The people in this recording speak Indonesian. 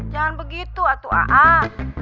jangan begitu atu a'am